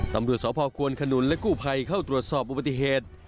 ตำรวจสพควนขนุนและกู้ภัยเข้าตรวจสอบอุบัติเหตุ